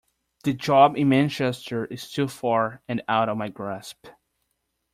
The job in Manchester is too far and out of my grasp.